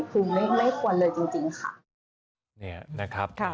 คือไม่ไม่ควรเลยจริงจริงค่ะเนี่ยนะครับครับ